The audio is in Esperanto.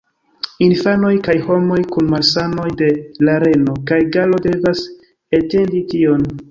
Infanoj kaj homoj kun malsanoj de la reno kaj galo devas atendi tion.